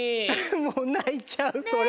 もうないちゃうこれ。